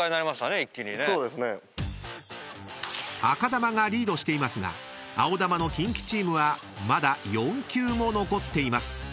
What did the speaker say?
［赤球がリードしていますが青球のキンキチームはまだ４球も残っています］